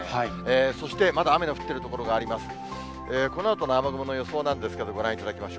そしてまだ雨の降ってる所があります。